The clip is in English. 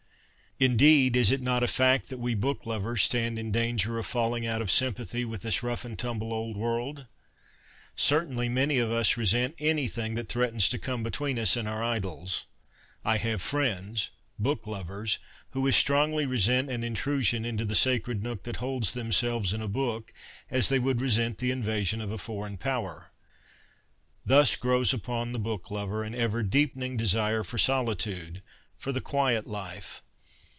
Indeed, is it not a fact that we book lovers stand in danger of falling out of sympathy with this rough and tumble old world ? Certainly many of us resent anything that threatens to come between us and our idols. (I have friends, book lovers, who as strongly resent an intrusion into the sacred nook that holds themselves and a book as they would resent the invasion of a foreign power.) Thus grows upon the book lover an ever deepening desire for solitude, for the quiet life.